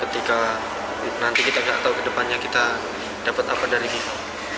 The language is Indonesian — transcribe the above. jika nanti kita gak tau ke depannya kita dapat apa dari itu